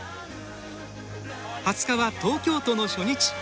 ２０日は東京都の初日。